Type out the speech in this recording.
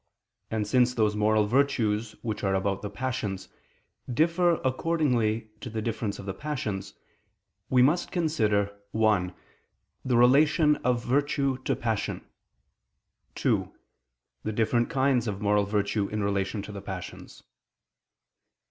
And since those moral virtues which are about the passions, differ accordingly to the difference of passions, we must consider (1) the relation of virtue to passion; (2) the different kinds of moral virtue in relation to the passions.